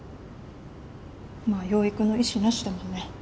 まあ養育の意思なしだもんね。